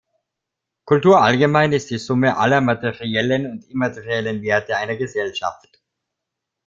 Kultur allgemein ist die Summe aller materiellen und immateriellen Werte einer Gesellschaft.